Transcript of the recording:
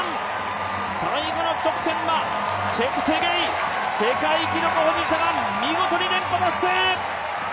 最後の直線はチェプテゲイ、世界記録保持者が見事に連覇達成。